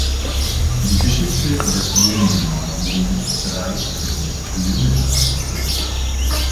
Die Geschichte des Domgymnasium reicht bis ins frühe Mittelalter zurück.